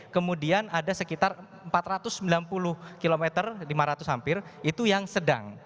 kemudian ada sekitar empat ratus sembilan puluh km lima ratus hampir itu yang sedang